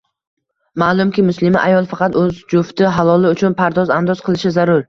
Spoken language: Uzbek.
Ma’lumki, muslima ayol faqat o‘z jufti haloli uchun pardoz-andoz qilishi zarur.